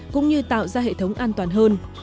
cũng như tạo ra hệ thống an toàn hơn